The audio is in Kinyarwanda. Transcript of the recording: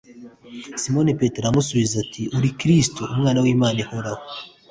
Simoni Petero aramusubiza ati “Uri Kristo, Umwana w’Imana ihoraho.”